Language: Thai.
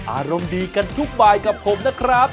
อารมณ์ดีกันทุกบายกับผมนะครับ